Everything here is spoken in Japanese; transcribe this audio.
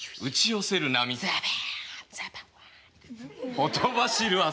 ほとばしる汗。